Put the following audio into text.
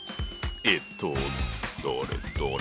えっとどれどれ。